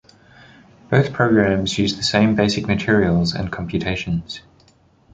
Both programs use the same basic materials and computations.